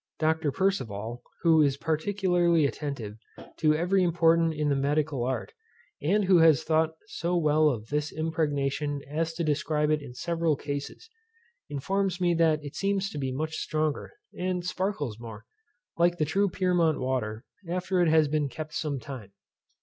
Dr. Percival, who is particularly attentive to every improvement in the medical art, and who has thought so well of this impregnation as to prescribe it in several cases, informs me that it seems to be much stronger, and sparkles more, like the true Pyrmont water, after it has been kept some time.